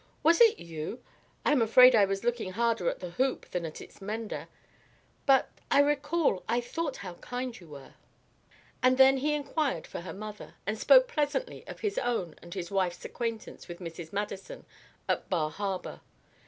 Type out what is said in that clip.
"Was it you? I am afraid I was looking harder at the hoop than at its mender. But I recall I thought how kind you were." And then he inquired for her mother, and spoke pleasantly of his own and his wife's acquaintance with Mrs. Madison at Bar Harbor.